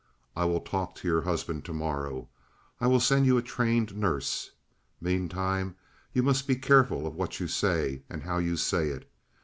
I will talk to your husband to morrow. I will send you a trained nurse. Meantime you must be careful of what you say and how you say it.